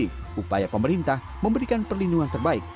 ini juga jadi bukti upaya pemerintah memberikan perlindungan terbaik